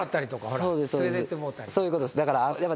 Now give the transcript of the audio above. そういうことです。